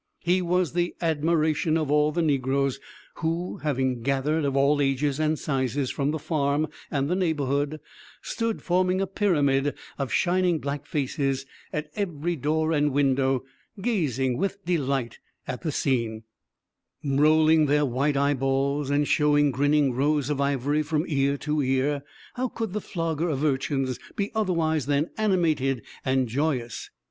He was the admiration of all the negroes; who, having gathered, of all ages and sizes, from the farm and the neighborhood, stood forming a pyramid of shining black faces at every door and window, gazing with delight at the scene, rolling their white eyeballs, and showing grinning rows of ivory from ear to ear. How could the flogger of urchins be otherwise than animated and joyous?